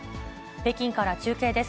北京から中継です。